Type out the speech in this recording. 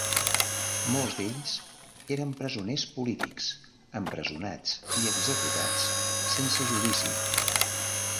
Molts d'ells eren presoners polítics, empresonats i executats sense judici.